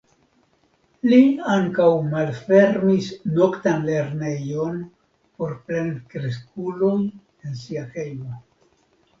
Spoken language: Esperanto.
Li ankaŭ malfermis "noktan lernejon" por plenkreskuloj en sia hejmo.